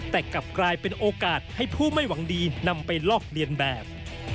แต่กลับกลายเป็นโอกาสให้ผู้ไม่หวังดีนำไปลอกเลียนแบบ